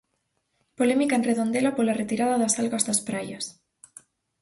Polémica en Redondela pola retirada das algas das praias.